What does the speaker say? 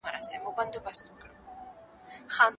انا خپل لمونځ په پوره خشوع او خضوع وکړ.